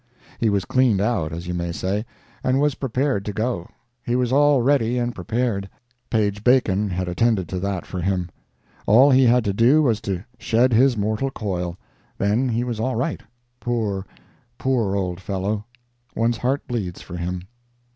He was cleaned out, as you may say, and was prepared to go. He was all ready and prepared—Page Bacon had attended to that for him. All he had to do was to shed his mortal coil. Then he was all right. Poor, poor old fellow. One's heart bleeds for him.